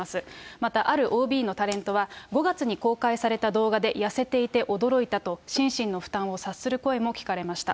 またあるＯＢのタレントは、５月に公開された動画で、痩せていて驚いたと、心身の負担を察する声も聞かれました。